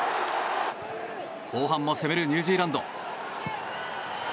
後半も攻めるニュージーランド。